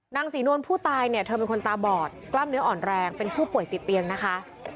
นางศรีนวลผู้ตายเนี่ยเธอเป็นคนตาบอดกล้ามเนื้ออ่อนแรงเป็นผู้ป่วยติดเตียงนะคะ